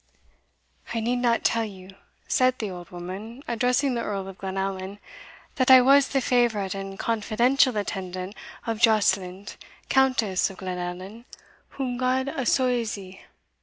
"I need not tell you," said the old woman, addressing the Earl of Glenallan, "that I was the favourite and confidential attendant of Joscelind, Countess of Glenallan, whom God assoilzie!"